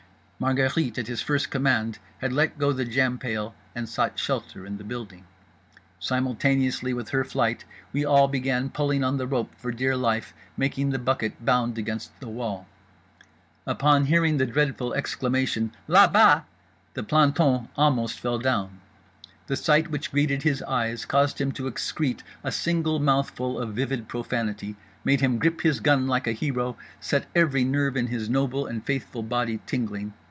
Margherite, at his first command, had let go the jam pail and sought shelter in the building. Simultaneously with her flight we all began pulling on the rope for dear life, making the bucket bound against the wall. Upon hearing the dreadful exclamation "Là bas!" the planton almost fell down. The sight which greeted his eyes caused him to excrete a single mouthful of vivid profanity, made him grip his gun like a hero, set every nerve in his noble and faithful body tingling.